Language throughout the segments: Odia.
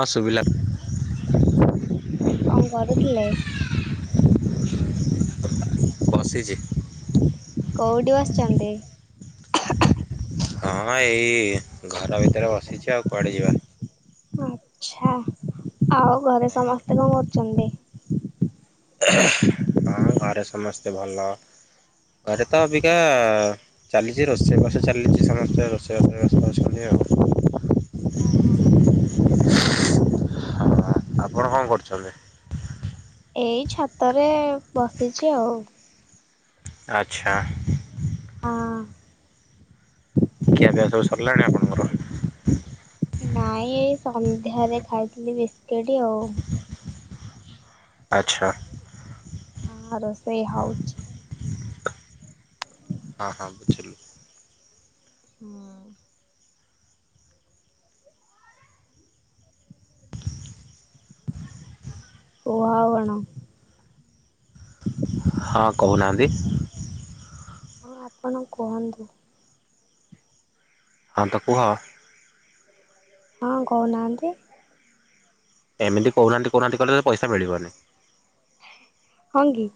ହଁ ସୁବିଲା। କଣ କରୁଥିଲେ? ବସିଚି। କୋଉଠି ବସିଚନ୍ତି? ହଁ ଏଇ ଘର ଭିତରେ ବସିଚି ଆଉ କୁଆଡେ ଯିବା। ଆଛା ଆଉ ଘରେ ସମସ୍ତେ କଣ କରୁଚନ୍ତି? ହଁ ଘରେ ସମସ୍ତେ ଭଲ ଘରେ ତ ଅବିକା ଚାଲିଚି ରୋଷେଇବାଷ ଚାଲିଚି ସମସ୍ତେ ରୋଷେଇ ବାଷରେ ବେସ୍ତ ଅଛନ୍ତି ଆଉ। ହଁ ଆପଣ କଣ କରୁଚନ୍ତି? ଏଇ ଛାତରେ ବସିଚି ଆଉ। ଆଚ୍ଛା। ହଁ। ଖିଆ ପିଆ ସବୁ ସରିଲାଣି ଆପଣଙ୍କର? ନାଇଁ ଏଇ ସନ୍ଧ୍ୟାରେ ଖାଇଥିଲି ବିସ୍କିଟି ଆଉ। ଆଚ୍ଛା। ହଁ ରୋଷେଇ ହଉଚି। ଏ ହ ବୁଝିଲି। ହୁଁ। କୁହ ଆଉ କଣ। ହଁ କହୁନାହାନ୍ତି ହଁ ଆପଣ କୁହନ୍ତୁ ହନ୍ ତାକୁ ହ- ହଁ କହୁନାହାନ୍ତି ଏମିତି କହୁନାହାନ୍ତି କହୁନାହାନ୍ତି କଲେ ତ ପଇସାଳିବନି ହଙ୍ଗ କି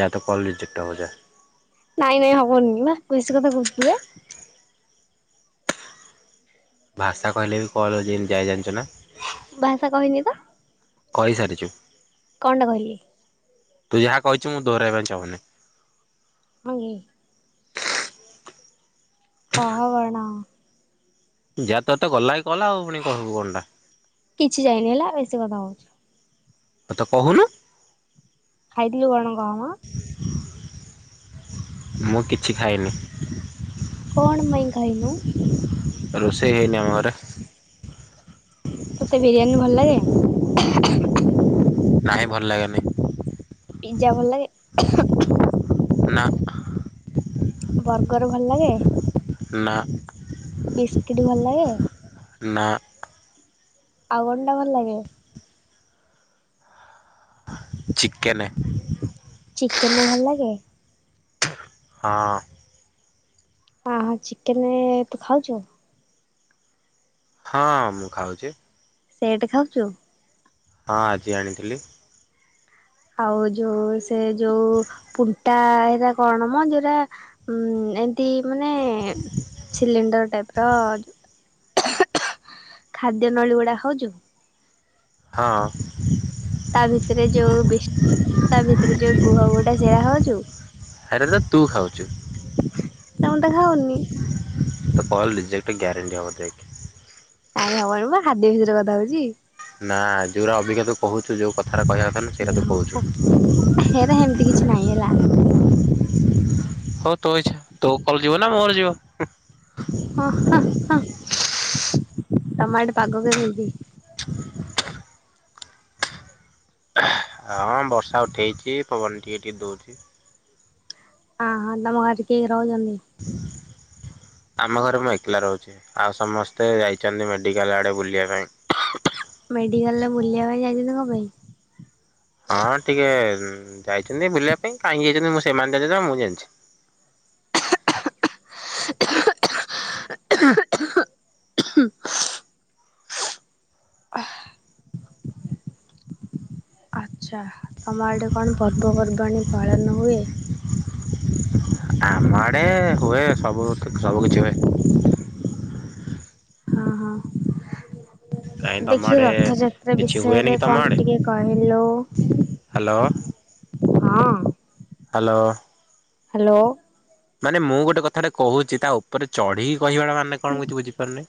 ଯାହା କଲ ରିଜେକ୍ଟ ହେଯଏ ନାଇଁ ନାଇଁ ହବନନି ମା କୁସି କଥା କହୁଥ। ଭାଷା କହିଲେ ବି କଲଉ ଯେତି ଯାଇ ଜାଣିଛ ନା। ଭାଷା କହିନି ତ। କହିସାରିଛୁ। କଣଟା କହିଲି ତୁ ଯାହା କହିଛୁ ମୁଁ ଦହାଇବା ପାଇଁ ଚାହୁନି ହ କ ବଣ ଯା ତତେ ଗଲାକି କଲା ଆଉ ପୁଣି କହିବୁ କଣଟା କିଛି ଯାଇନି ହେଲା ବେଶୀ କଥା ହଉଛି। ହଉ ତ କହୁନୁ। ଖାଇଥିଲୁ କଣ କହମା। ମୁଁ କିଛି ଖାଇନି କଣ ମେଙ୍ଗାଇ ନୁ ରୋଷେଇ ହେଇନି ଆମର। ତତେ ବିରିୟାନୀ ଭଲ ଲାଗେ। ନାହିଁ ଭଲ ଲାଗେନି। ପିଜ୍ଜା ଭଲ ଲାଗେ। ନା। ବର୍ଗର ଭଲ ଲାଗେ ନା। ବିସ୍କିଟ୍ ଭଲ ଲାଗେ। ନା ଆଉଗଣ ଟା ଭଲ ଲାଗେ। ଚିକନ। ଚିକେନ ଭଲ ଲାଗେ। ହଁ। ହଁ ହଁ ଚିକେନ ତୁ ଖାଉଛୁ। ହଁ ମୁଁ ଖାଉଛି। ସେଇଟ ଖାଉଛୁ। ହଁ ଆଜି ଆଣିଥିଲି। ଆଉ ଯୋଉ ସେ ଯୋଉ ଫୁଣ୍ଟା ହେଟା କଣ ମ ଯୋଉଟା। ଉଁ ଏମତି ମାନେ ସିଲିଣ୍ଡର ଟାଇପ ର। [inaudible] ଖାଦ୍ୟ ନଳୀ ଗୁଡା ହଉଛୁ। ହଁ। ତା ଭିତରେ ଯୋଉ ତା ଭିତରେ ଯୋଉ ଗୁହ ଗୁହଟା ସେଇଟା ହଉଛୁ। ହେରା ତ ତୁ ଖାଉଛୁ। ନା ମୁଁ ତ ଖାଉନି ତା ପା ରିଜେକ୍ଟ ଗ୍ୟାରେଣ୍ଟି ହେବାର ଯଖି। ନାଇଁ ହବ ଆଣୁ ବା ଖାଦ୍ୟ ଭଷୟରେ କଥା ହଉଛି। ନା ଯେଉଁଟା ଅଭିଜ୍ଞତାୁ କହୁଛୁ ଯୋଉ କଥଟ କହିବା କଥା ସେଇଟା ତୁ କହୁଛୁ ସନାଲା। ହଉ ତୁ ଇଛା ତୁ କହ ଯିବ ନା ମୋର ଯିବ ହ ଟମାଟ ପାଗ କେମିତି [unintelligible] ହଁ ବର୍ଷା ଉଠାଇଛି ପବନ ଟିକିେ ଟିକିେ ଦେଉଛି ହଁ ହଁ ତମ ଘରେ ଟିକ ରହୁଛନ୍ତି ହ ଆମ ଘରେ ମୁଁ ଏକଲା ରହୁଛି ଆଉ ସମସ୍ତେ ଯାଇଛନ୍ତି ମେଡିକାଲ ଆଡେ ବୁଲିବା ପାଇଁ ମେଡିକାଲ ରେ ବୁଲିବା ପାଇଁ ଯାଇଛନ୍ତି କଣ ପାଇଁ ହଁ ଟିକେ ଯାଇଛନ୍ତି ବୁଲିବା ପାଇଁ କାହିଁକି ଯାଇଛନ୍ତି ମୁଁ ସେମାନେ ଜ ମୁଁ ଜାଣିଛି ଆଚ୍ଛା ତୁମର ଏଠି କଣ ପର୍ବପର୍ବାଣିୀ ପାଳନ ହୁଏ ଆମଡେ ହୁଏ ସବୁ ସବୁ କିଛି ହୁଏ ହଁ ହଁ କାହିଁ ତମ ଦେଖି ଆଡେ ରଥଯାତ୍ରା କିଛି ହୁଏନି ବିଷୟରେ କି କଣ ତମ ଆଡେ ଟିକେ କହିଲୁ? ହ୍ୟାଲୋ ହଁ ହ୍ୟାଲୋ ହ୍ୟାଲୋ ମାନେ ମୁଁ ଗୋଟେ କଥାଟା କହୁଛି ତା ଉପରେ ଚଢିକି କହିବା ମାନେ କଣ କିଛି ବୁଝିପାରୁନି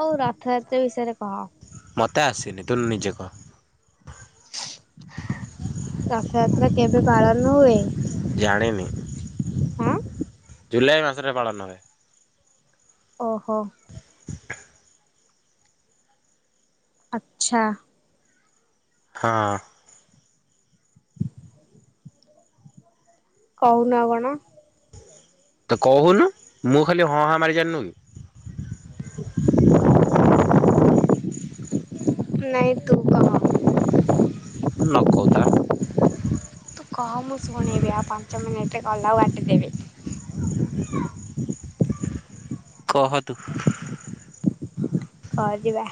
ହଉ ରଥଯାତ୍ରା ବିଷୟରେ କହ ମୋତେ ଆସିନି ତୁୁ ନିଜକୁ ରଥଯାତ୍ରା କେବେ ପାଳନ ହୁଏ ଜାଣିେମେ ଆଁ ଜୁଲାଇ ମାସରେ ପାଳନ ହୁଏ ଓହୋ [inaudible] ଆଚ୍ଛା ହଁ କହୁନ କଣ ତ କହୁନୁ ମୁଁ ଖାଲି ହଁ ହଁ ମାରି ଜାଣିନୁ କି ନାଇଁ ତୁ କ ନକ୍ଷତା ତୁ କ ମୁଁ ଶୁଣେଇବି ଆଉ ପାଞ୍ଚ ମିନିଟେ ଗଲା ଆଉ ବାଣ୍ଟିଦେବି କହନ୍ତୁ ହ ଯିବା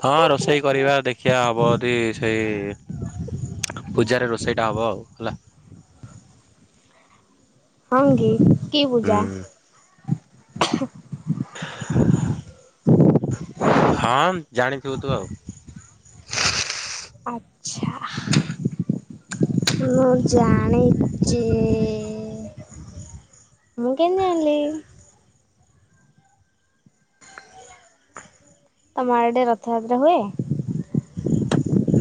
ହଁ ରୋଷେଇ କରିବା ଦେଖିବା ହେବଦି ସେଇ ପୂଜାରେ ରୋଷେଇଟା ହେବ ଆଉ ହେଲା। ହ କି କି ପୂଜା। ହୁଁ। ହଁ ଜାଣିଥିବୁ ତୁ ଆଉ। ଆଚ୍ଛା। ମୁଁ ଜାଣେ। ଚ ମୁକେମିତିଜନିଲି। ତମର ଏଡେ ରଥଯାତ୍ରା ହୁଏ।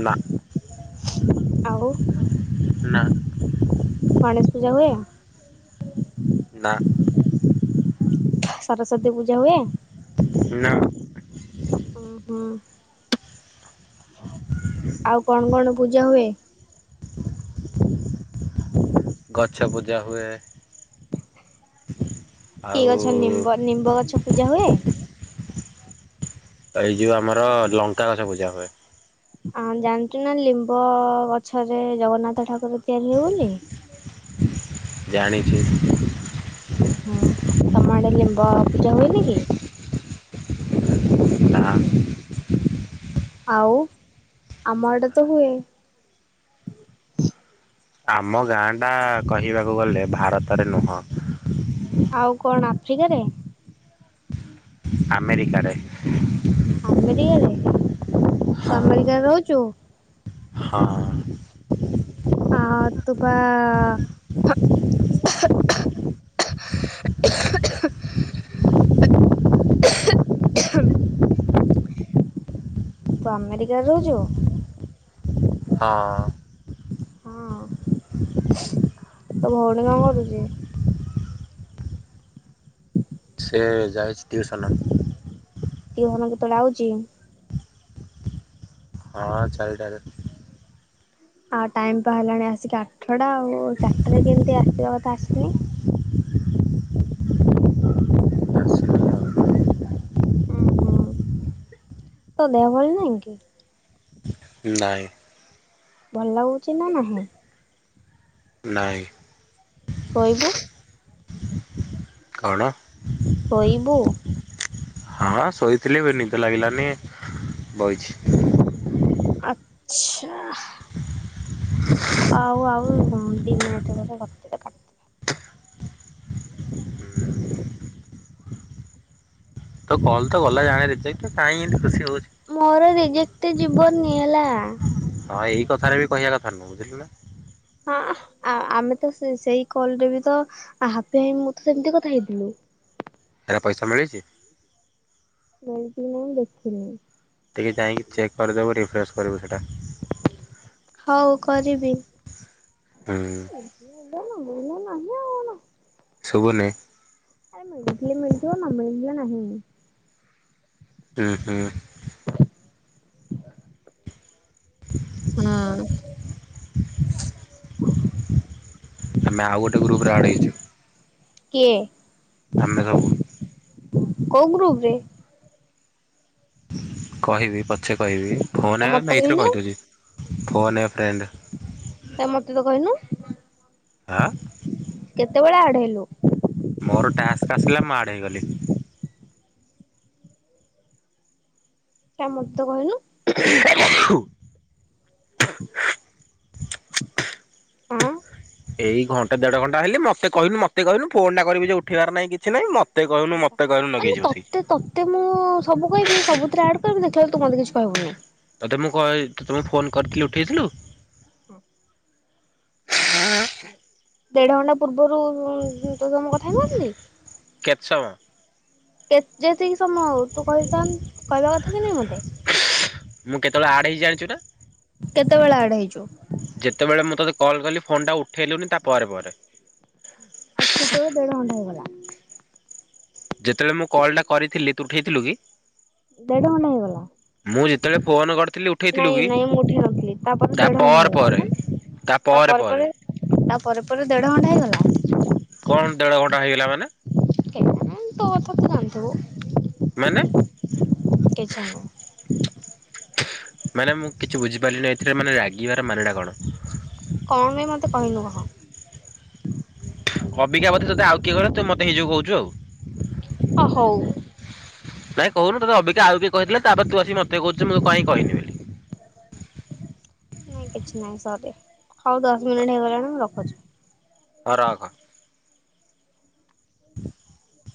ନା। ଆଉ। ନା। ଗଣେଶ ପୂଜା ହୁଏ। ନା। ସରସ୍ଵତୀ ପୂଜା ହୁଏ। ନା। ହୁଁ ହୁଁ। ହ। ଆଉ କଣ କଣ ପୂଜା ହୁଏ? ଗଛ ବୁଜା ହୁଏ। କି ଆଉ ଗଛ ନିମ୍ବ ନିମ୍ବ ଗଛ ପୂଜା ହୁଏ। ଏଇ ଯୋଉ ଆମର ଲଙ୍କା ଗଛ ପୂଜା ହୁଏ। ଆଁ ଜାଣିଛୁ ନା ଲିମ୍ବ ଗଛରେ ଜଗନ୍ନାଥ ଠାକୁର ତିଆରି ହଉ ବୋଲି। ଜାଣିଚି। ଓ ହୋ ତମ ଆଡେ ଲିମ୍ବ ପୂଜା ହୁଏନି କି? ନା। ଆଉ ଆମ ଏଟା ତ ନାଇଁ। ହୁଏ। ଆମ ଗାଁ ଟା କହିବାକୁ ଗଲେ ଭାରତରେ ନୁହଁ। ଆଉ କଣ ଆଫ୍ରିକାରେ? ଆମେରିକାରେ। ଆମେରିକାରେ ତୁ ଆମେରିକାରେ ରହୁଛୁ। ହଁ। ଆ ତୁ ପା [inaudible] [inaudible] ତୁ ଆମେରିକାରେ ରହୁଛୁ। ହଁ। ହଁ। ହୁଁ। ତ ଭଉଣୀ କଣ କରୁଛି? [inaudible] ସେ ଯାଇଚି ଟିଉସନ। ଟ ଘନ କେତେବେଳେ ଆଉଛି? ହଁ ଚାରୀଟା। ଆଉ ଟାଇମ୍ ବା ହେଲାଣି ଆସିକି ଆଠଟା ଆଉ ଚାରିଟାରେ କେମିତି ଆସିବା କଥା ଆସି ନି। [inaudible] ଆସିବି ଆଉ। ଉଁ ହୁଁ ତୋ ଦେହ ଭଲ ନାଇଁ କି? ନାହିଁ। ଭଲଲାଗୁଛି ନା ନାହିଁ। ନାଇଁ। ଶୋଇବୁ? କଣ? ଶୋଇବୁ? ହଁ ଶୋଇଥିଲି ବେ ନିଦ ଲାଗିଲାନି ବଇଚି। ଆଚ୍ଛା ଆଉ ଆଉ ଦି ମିନିଟ [unintelligible] ତ କଲ ତ ଗଲା ଜାଣେ ରିଜେକ୍ଟ କାଇଁ ଏନ୍ତି ଖୁସି ହଉଚୁ। ମୋର ରଜେକ୍ଟ ଯିବନି ହେଲା। ହଁ ଏଇ କଥାରେ ବି କଇଆ କଥା ନୁହଁ ବୁଝିଲୁ ନା? ହଁଅଁ ଆ ଆ ଆମେ ତ ସେ ସେଇ କଲ ରେ ବି ତ ହାପି ହାଇ ମୁଁ ତ ସେମତି କଥା ହେଇଥିଲୁ। ଏରା ପଇସା ମିଳିଚି? ଏମତି ବି ନୁହଁ ମୁଁ ଦେଖିନି। ଟିକେ ଚାଇଁକି ଚେକ୍ କରିଦବୁ ରିଫ୍ରେେଶ କରିବୁ ସେଟା ହଉ କରିବି। ହୁଁ ଉଁ। ମ ନାହିଁ ଆ ନା [unintelligible] ଶୁବୁନି। ଆରେ ମିଳିଥିଲେ ମିଳିଥିବ ନ ମିଳିଲେ ନାହିଁ। ହୁଁଉଁ ହୁଁଉଁ ହେ ନା ନା ଆମେ ଆଉ ଗୋଟେ ଗ୍ରୁପ ରେ ଆଡ଼ ହେଇଚୁ କିଏ ଆମେ ସବୁ କୋଉ ଗ୍ରୁପ ରେ କହିବି ପଛେ କହିବି କାଇଁ ଫୋନରେ ମତେ ନା ଏଇଥିରେ କହିନୁ କହିଦଉଛି ଫୋନ ଏ ଫ୍ରେଣ୍ଡ କାଇଁ ମତେ ତ କଇନୁ ଆ କେତେବେଳେ ଆଡ ହେଲୁ ମୋର ଟାସ୍କ ଆସିଲା ମୁଁ ଆଡ ହେଇଗଲି। କାଇଁ ମତେ ତ କହିନୁ ଖୁଂ ଖୁଂ ହୁଁ ଉମ ଉହୁ ଥୁ ଅଁ ଅଁ ଅଁ ଏଇ ଘଣ୍ଟେ ଦେଢ ଘଣ୍ଟା ହେଲେ ମତେ କହିଲୁ ମତେ କହିଲୁ ଫୋନ ଟା କରିବି ଯେ ଉଠେଇ ବାରନାହିଁ କିଛି ନାହିଁ ମ ମାନେ ତତେ ତ ତେ ମୁଁ ସବୁ କହିବି ସବୁଥିରେ ଆଡ କରିବି ଦେଖଲା ବେଳକୁ ତୁ ମତେ କିଛି କହିବୁନି। ତୋତେ ମୁଁ କହେ ତତେ ମୁଁ ଫୋନ କରଥିଲି ଉଠେଇଥିଲୁ। ଦେଢ ଘଣ୍ଟା ପୂର୍ବୁରୁ ଶୁଣ ଉଁ ତୋ ସହ ମୁଁ କଥା ହେଇନଥିଲି। କେତେ ସମୟ କେ ଯେତିକି ସମୟ ହଉ ତୁ କହିଥାନ କହିବା କଥା କି ନାଇଁ ମୋତେ ଉସ ମୁଁ କେତେବେଳେ ଆଡ଼ ହେଇଚି ଜାଣିଚୁ ନା କେତେବେଳେ ଆଡ ହେଇଚୁ ଯେତେବେଳେ ମୁଁ ତୋତେ କଲ୍ କଲି ଫୋନ ଟା ଉଠେଇଲୁନି ତା ପରେ ପରେ ଆଛେ ତୋର ଦେଢ଼ ଘଣ୍ଟା ହେଇଗଲା। ଯେତେବେଳେ ମୁଁ କଲ୍ ଟା କରିଥିଲି ତୁ ଉଠେଇଥିଲୁ କି ଦେଢ଼ ଘଣ୍ଟା ହେଇଗଲା। ମୁଁ ଯେତେଏଳେ ଫୋନ କରଥିଲି ଉଠେଇଥିଲୁ ନାଇଁ କି ନାଇଁ ମୁଁ ଉଠେଇ ନଥିଲି ତାପରେ ତା ଦେଢ ଘଣ୍ଟା ପରେ ପରେ ତା ପ ରେ ପ ରେ ତା ପରେ ପରେ ଦେଢ ଘଣ୍ଟା ହେଇଗଲା କଣ ଦେଢ଼ ଘଣ୍ଟା ହେଇଗଲା ମାନେ କେ ଜାଣି ତୋ କଥା ତୁ ଜନଥିବୁ। ମାନେ ଥୁ ନୁହଁ। ମାନେ ମୁଁ କିଛି ବୁଝିପାରିଲିନି ଏଥିରେ ମାନେ ରାଗିବାର ମାନେ ଟା କଣ? କଣ [unintelligible] ଅବିକା ତୋତେ ଆଉ କିଏ କରେ, ତୁ ମୋତେ ନିଜେ କହୁଛୁ ଆଉ। ହ ହଉ। ନାଇଁ କହୁନୁ ତତେ ଅବିକା ଆଉ କିଏ କହିଥିଲା, ତାପରେ ତୁ ଆସିକ ମତେ କହୁଛୁଁ କହିନି ବୋଲି। ନାଇଁ କିଛି ନାହିଁ ସରି, ହୋଉ ଦଶ ମିନିଟ୍ ହେଇଗଲାଣି ମୁଁ ରଖୁଛି। ହ ରଖ। [inaudible]